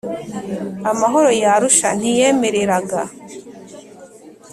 Amahoro y Arusha ntiyemereraga